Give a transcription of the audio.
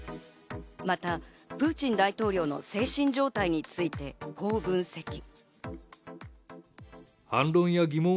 またプーチン大統領の精神状態について、こう分析。